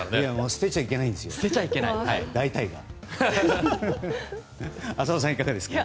捨てちゃいけないんですよ大体が。